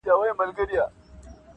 د هر زور له پاسه پورته بل قدرت سته -